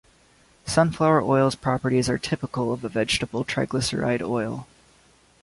Sunflower oil's properties are typical of a vegetable triglyceride oil.